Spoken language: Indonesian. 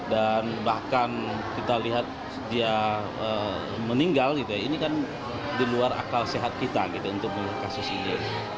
dan bahkan kita lihat dia meninggal ini kan di luar akal sehat kita untuk melihat kasus ini